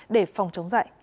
để phòng chống dạy